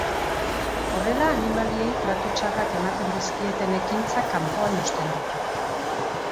Horrela, animaliei tratu txarrak ematen dizkieten ekintzak kanpoan uzten ditu.